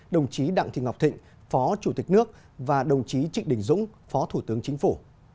đồng chí đặng thị ngọc thịnh phó chủ tịch nước và đồng chí trịnh đình dũng phó thủ tướng chính phủ